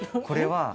これは。